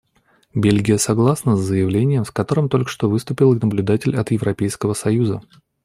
Бельгия согласна с заявлением, с которым только что выступил наблюдатель от Европейского союза.